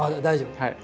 大丈夫。